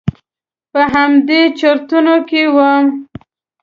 په همدې چرتونو کې وم.